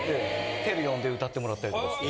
ＴＥＲＵ呼んで歌ってもらったりとかして。